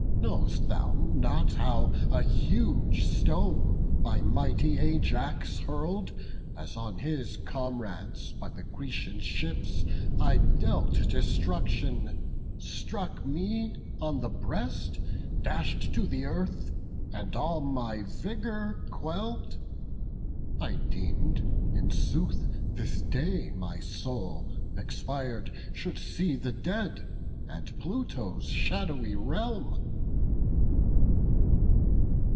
know'st thou not How a huge stone, by mighty Ajax hurl'd, As on his comrades by the Grecian ships I dealt destruction, struck me on the breast, Dash'd to the earth, and all my vigour quell'd? I deem'd in sooth this day my soul, expir'd, Should see the dead, and Pluto's shadowy realm."